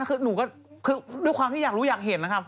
วันนั้นด้วความที่จะรู้อยากเห็นนะครับ